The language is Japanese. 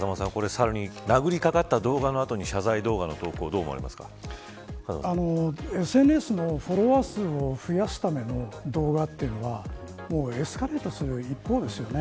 サルに殴りかかった動画の後に謝罪動画の投稿ＳＮＳのフォロワー数を増やすための動画というのはエスカレートする一方ですよね。